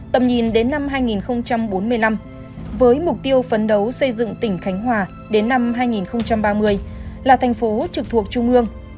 tầm nhìn đến năm hai nghìn bốn mươi năm với mục tiêu phấn đấu xây dựng tỉnh khánh hòa đến năm hai nghìn ba mươi là thành phố trực thuộc trung ương